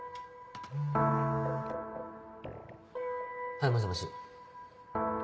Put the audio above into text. はいもしもし。